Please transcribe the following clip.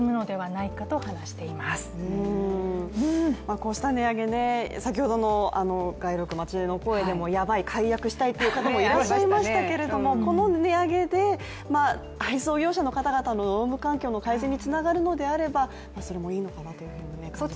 こうした値上げ、先ほどの街の声でもやばい、解約したいという方もいらっしゃいましたけどこの値上げで配送業者の方々の労働環境の改善につながるのであれば、それもいいのではないかなと思いますね。